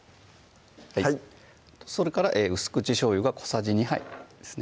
それから薄口しょうゆが小さじ２杯ですね